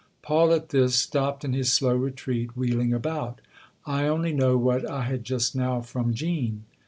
Paul, at this, stopped in his slow retreat, wheeling about. " I only know what I had just now from Jean."